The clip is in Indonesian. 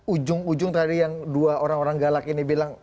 ujung ujung tadi yang dua orang orang galak ini bilang